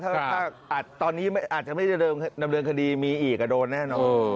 ถ้าตอนนี้อาจจะไม่ได้ดำเนินคดีมีอีกโดนแน่นอน